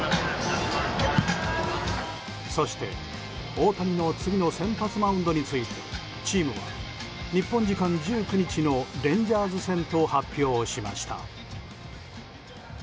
そして、大谷の次の先発マウンドについてチームは日本時間１９日のレンジャーズ戦と発表しました。